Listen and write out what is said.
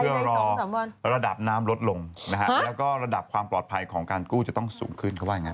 เพื่อรอระดับน้ำลดลงนะฮะแล้วก็ระดับความปลอดภัยของการกู้จะต้องสูงขึ้นเขาว่าอย่างนั้น